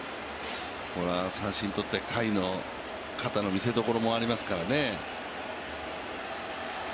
三振とって、甲斐の肩の見せどころもありますからね。